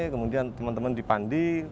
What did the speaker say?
kemudian teman teman dipandi